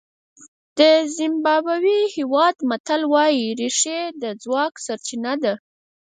د زیمبابوې هېواد متل وایي رېښې د ځواک سرچینه ده.